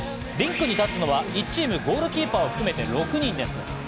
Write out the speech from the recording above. リンクに立つのは１チーム、ゴールキーパーを含めて６人です。